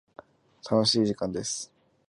楽しい時間です。